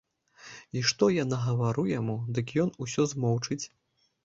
І што я нагавару яму, дык ён усё змоўчыць.